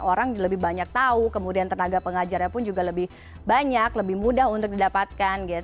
orang lebih banyak tahu kemudian tenaga pengajarnya pun juga lebih banyak lebih mudah untuk didapatkan